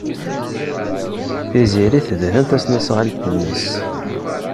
Tiziri tedhen tasnasɣalt-nnes.